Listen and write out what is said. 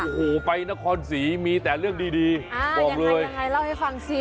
โอ้โหไปนครศรีมีแต่เรื่องดีดีบอกเลยยังไงเล่าให้ฟังสิ